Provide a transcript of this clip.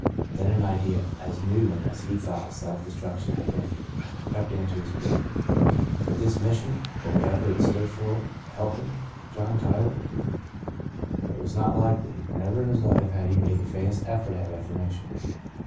Then an idea, as new to him as the thought of self destruc tion had been, crept into his brain. Could this Mission, or whatever it stood for, help him, John Tyler ? It was not likely. Never in his life had he made the faintest effort at reformation.